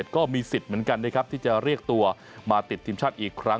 ก็มีสิทธิ์เหมือนกันนะครับที่จะเรียกตัวมาติดทีมชาติอีกครั้ง